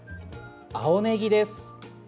青ねぎです。